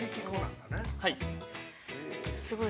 ◆はい。